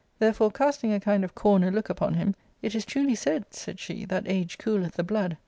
Therefore, casting a kind of corner look* upon him, " It is truly said," said she, that age cooleth the blood.